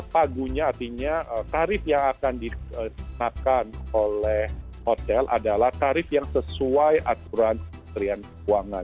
pagunya artinya tarif yang akan dikenakan oleh hotel adalah tarif yang sesuai aturan kementerian keuangan